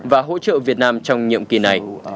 và hỗ trợ việt nam trong nhiệm kỳ này